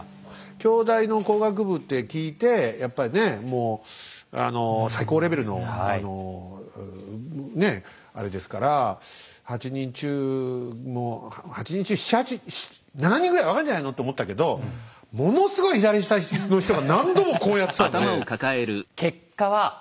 京大の工学部って聞いてやっぱりねもう最高レベルのねあれですから８人中もう８人中７人ぐらい分かんじゃないのって思ったけどものすごい左下の人が何度もこうやってたんで。